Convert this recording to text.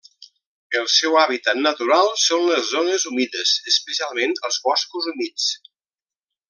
El seu hàbitat natural són les zones humides, especialment els boscos humits.